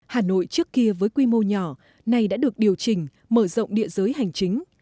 hà nội trước kia với quy mô nhỏ nay đã được điều chỉnh mở rộng địa giới hành chính